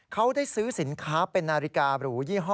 เขาได้ซื้อสินค้าเป็นนาฬิการูยี่ห้อ